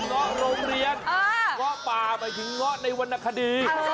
เงาะโรงเรียนเงาะป่าหมายถึงเงาะในวรรณคดี